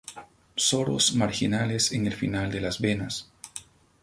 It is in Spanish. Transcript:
Soros marginales en el final de las venas.